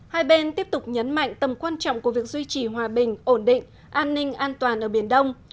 hai bên tiếp tục nhấn mạnh tầm quan trọng của việc duy trì hòa bình ổn định an ninh an toàn ở biển đông